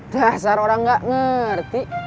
dasar orang gak ngerti